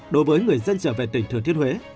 đối với người dân trở về tỉnh thừa thiên huế